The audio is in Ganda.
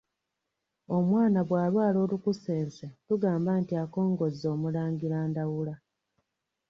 Omwana bw’alwala olukusense tugamba nti akongozze omulangira Ndawula.